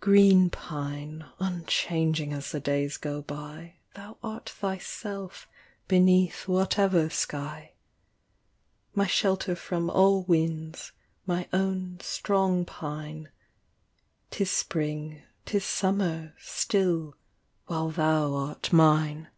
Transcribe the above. Green pine, unchanging as the days go by. Thou art thyself beneath whatever sky : My shelter from all winds, my own strong pine, 'Tis spring, 'tis summer, still, while thou art mine.